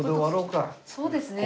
そうですね。